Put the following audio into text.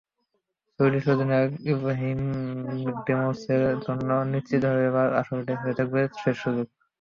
Swedish অধিনায়ক ইব্রাহিমোভিচের জন্য নিশ্চিতভাবে এবারের আসরটাই হয়ে থাকবে শেষ সুযোগ।